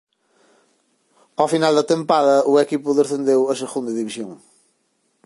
Ao final da tempada o equipo descendeu a Segunda División.